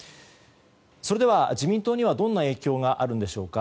それでは、自民党にはどんな影響があるんでしょうか。